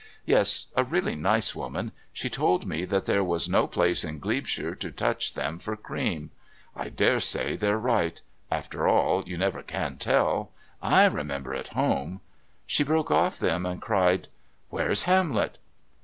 Yes, a really nice woman. She told me that there was no place in Glebeshire to touch them for cream. I dare say they're right. After all, you never can tell. I remember at home..." She broke off then and cried: "Where's Hamlet?"